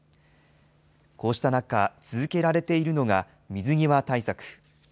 こうした中、続けられているのが水際対策。